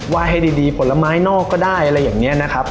ให้ดีผลไม้นอกก็ได้อะไรอย่างนี้นะครับ